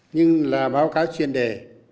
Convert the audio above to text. nhưng là báo cáo chuyên đề